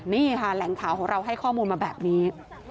นี่ค่ะแหล่งข่าวของเราให้ข้อมูลมาแบบนี้